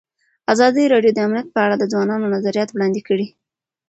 ازادي راډیو د امنیت په اړه د ځوانانو نظریات وړاندې کړي.